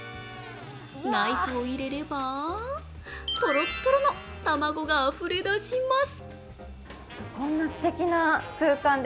ナイフを入れればとろっとろの卵があふれ出します。